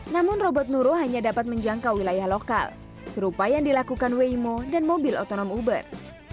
namun robot nurul hanya dapat menjangkau wilayah lokal serupa yang dilakukan weimo dan mobil otonom uber